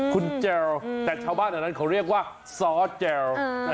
คุณแจวแต่ชาวบ้านแถวนั้นเขาเรียกว่าซอสแจว